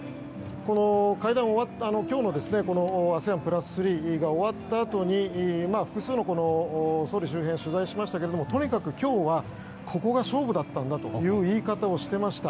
今日もＡＳＥＡＮプラス３が終わったあとで複数の総理周辺を取材しましたけれどもとにかく今日はここが勝負だったんだという言い方をしていました。